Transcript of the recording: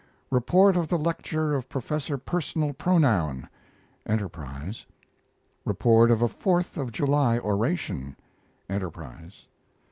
REPORT OF THE LECTURE OF PROF. PERSONAL PRONOUN Enterprise. REPORT OF A FOURTH OF JULY ORATION Enterprise.